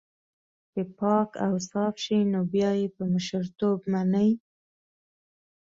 کله چې پاک اوصاف شي نو بيا يې په مشرتوب مني.